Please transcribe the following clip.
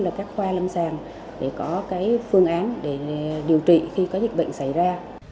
giống như các khoa lâm sàng để có phương án điều trị khi có dịch bệnh xảy ra